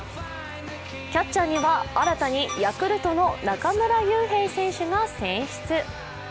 キャッチャーには新たにヤクルトの中村悠平選手が選出。